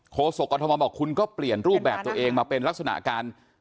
โศกรทมบอกคุณก็เปลี่ยนรูปแบบตัวเองมาเป็นลักษณะการ